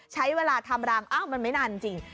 ใช้เวลาทำรังอ้าวมันไม่นานจริง